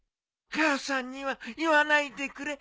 母さんには言わないでくれ。